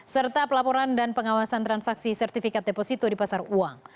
serta pelaporan dan pengawasan transaksi sertifikat deposito di pasar uang